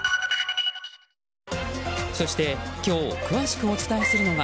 そして今日詳しくお伝えするのが